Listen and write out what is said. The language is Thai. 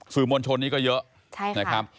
มวลชนนี้ก็เยอะนะครับ